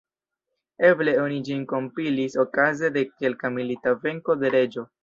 Eble oni ĝin kompilis okaze de kelka milita venko de reĝo.